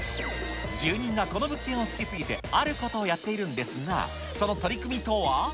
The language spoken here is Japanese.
住人がこの物件を好き過ぎて、あることをやっているんですが、その取り組みとは？